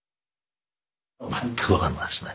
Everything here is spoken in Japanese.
全く分かんないですね。